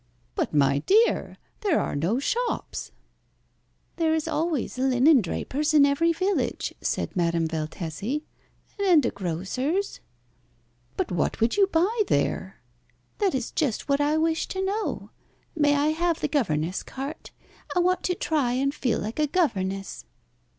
"But, my dear, there are no shops!" "There is always a linen draper's in every village," said Madame Valtesi; "and a grocer's." "But what would you buy there?" "That is just what I wish to know. May I have the governess cart? I want to try and feel like a governess."